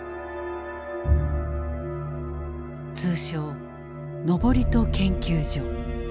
通称登戸研究所。